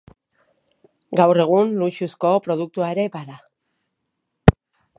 Gaur egun, luxuzko produktua ere bada.